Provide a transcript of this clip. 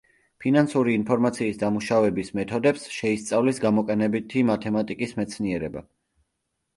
ფინანსური ინფორმაციის დამუშავების მეთოდებს შეისწავლის გამოყენებითი მათემატიკის მეცნიერება.